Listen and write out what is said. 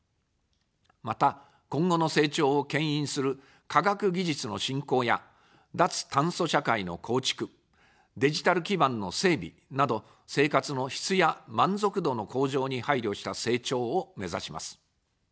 また、今後の成長をけん引する科学技術の振興や脱炭素社会の構築、デジタル基盤の整備など、生活の質や満足度の向上に配慮した成長をめざします。